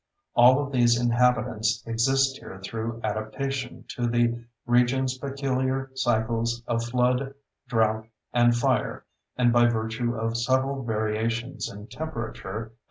All of these inhabitants exist here through adaptation to the region's peculiar cycles of flood, drought, and fire and by virtue of subtle variations in temperature, altitude, and soil.